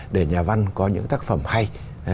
để nhà văn có những tác phẩm hay